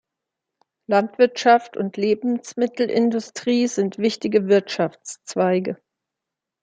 Landwirtschaft und Lebensmittelindustrie sind wichtige Wirtschaftszweige.